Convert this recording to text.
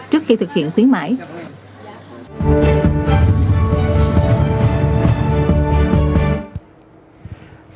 trước khi thực hiện khuyến mãi